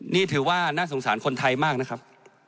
นี่ถือว่าน่าสงสารคนไทยมากนะครับ